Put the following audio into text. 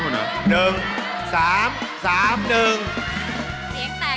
นี่มันหรอ